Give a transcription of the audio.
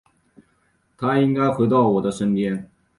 他应该回到我的身边